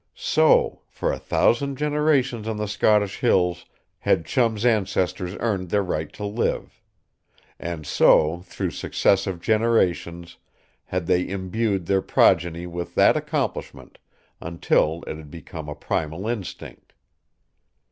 So, for a thousand generations on the Scottish hills, had Chum's ancestors earned their right to live. And so through successive generations had they imbued their progeny with that accomplishment until it had become a primal instinct.